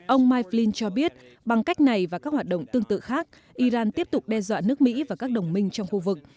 ông mikel cho biết bằng cách này và các hoạt động tương tự khác iran tiếp tục đe dọa nước mỹ và các đồng minh trong khu vực